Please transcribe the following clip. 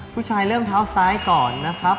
ผู้ชายเริ่มเท้าซ้ายก่อนนะครับ